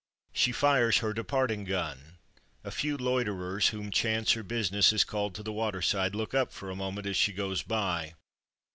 She fires her departing gun. A few loiterers, whom chance or business has called to the water side, look up for a moment as she goes by.